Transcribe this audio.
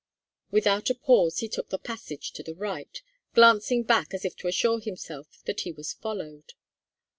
Without a pause he took the passage to the right, glancing back as if to assure himself that he was followed.